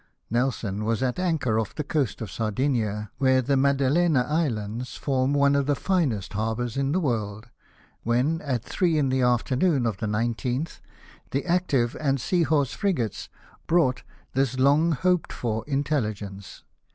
Nelson was at anchor off the coast of Sardinia, where the Madelena Islands form one of the finest harbours in the world, when, at three in the afternoon of the 19th, the Active and Seahorse frigates brought this long hoped for intelligence.